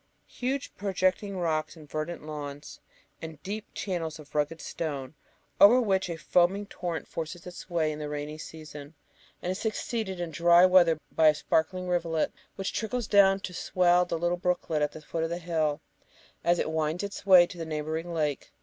Huge, projecting rocks and verdant lawns, and deep channels of rugged stone, over which a foaming torrent forces its way in the rainy season, and is succeeded in dry weather by a sparkling rivulet, which trickles down to swell a little brooklet at the foot of the hill, as it winds its way to the neighbouring lake.